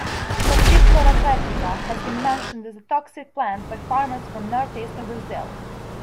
"Passiflora foetida" has been mentioned as a toxic plant by farmers from northeastern Brazil.